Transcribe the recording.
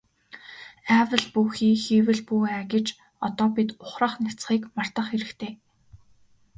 АЙвал бүү хий, хийвэл бүү ай гэж одоо бид ухрах няцахыг мартах хэрэгтэй.